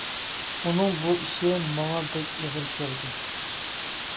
ئۇنىڭ بۇ ئىشى ماڭا بەك ئېغىر كەلدى.